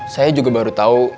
saya juga baru tau